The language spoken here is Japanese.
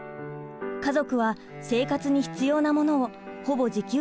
家族は生活に必要なものをほぼ自給自足しました。